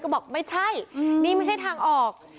ก็บอกไม่ใช่นี่ไม่ใช่ทางออก